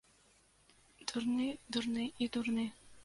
Дурны, дурны і дурны.